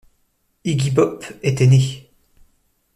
Iggy Pop était né.